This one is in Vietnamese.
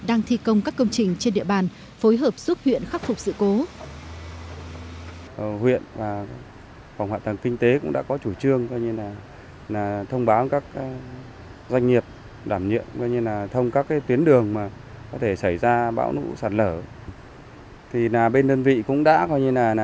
đang thi công các công trình trên địa bàn phối hợp giúp huyện khắc phục sự cố